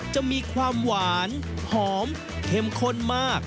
จะมีความหวานหอมเข้มข้นมาก